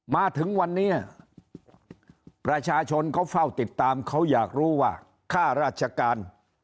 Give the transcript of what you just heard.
มาถึงวันนี้ประชาชนเขาเฝ้าติดตามเขาอยากรู้ว่าค่าราชการ